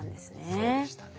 そうでしたね。